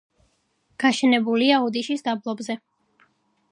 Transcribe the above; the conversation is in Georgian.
გაშენებულია ოდიშის დაბლობზე,